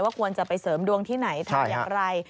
ควรจะไปเสริมดวงที่ไหนทำอย่างไร